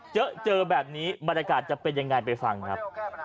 เจอเจอแบบนี้บรรยากาศจะเป็นยังไงไปฟังครับ